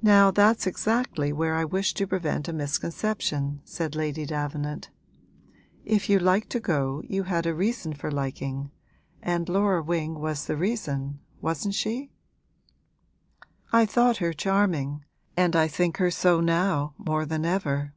'Now, that's exactly where I wish to prevent a misconception,' said Lady Davenant. 'If you liked to go you had a reason for liking, and Laura Wing was the reason, wasn't she?' 'I thought her charming, and I think her so now more than ever.'